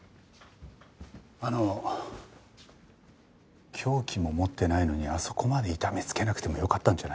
あの凶器も持ってないのにあそこまで痛めつけなくてもよかったんじゃないですか？